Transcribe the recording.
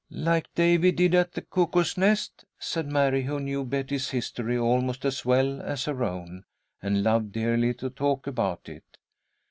"Like Davy did at the cuckoo's nest," said Mary, who knew Betty's history almost as well as her own, and loved dearly to talk about it.